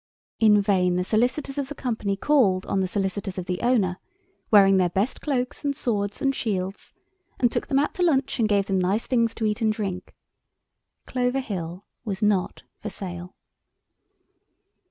In vain the solicitors of the Company called on the solicitors of the owner, wearing their best cloaks and swords and shields, and took them out to lunch and gave them nice things to eat and drink. Clover Hill was not for sale.